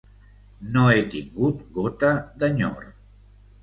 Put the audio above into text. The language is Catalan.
No he tingut gota d'enyor.